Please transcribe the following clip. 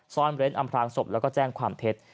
ซ่อนเวรนด์อำรางศพแล้วก็แจ้งความเทศ